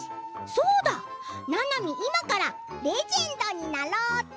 そうだ、ななみ今からレジェンドになろうっと！